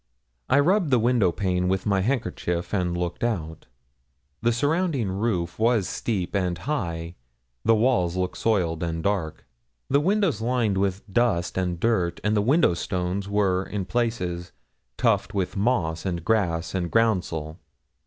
I rubbed the window pane with my handkerchief and looked out. The surrounding roof was steep and high. The walls looked soiled and dark. The windows lined with dust and dirt, and the window stones were in places tufted with moss, and grass, and groundsel.